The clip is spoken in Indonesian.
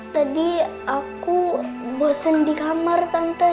tadi aku bosen di kamar tante